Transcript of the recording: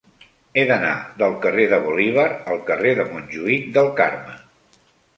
He d'anar del carrer de Bolívar al carrer de Montjuïc del Carme.